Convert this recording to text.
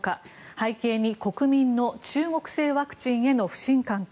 背景に国民の中国製ワクチンへの不信感か。